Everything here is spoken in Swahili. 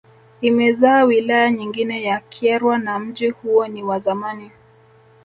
Imezaa wilaya nyingine ya Kyerwa na mji huo ni wa zamani